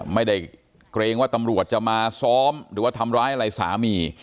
เกรงว่าตำรวจจะมาซ้อมหรือว่าทำร้ายอะไรสามี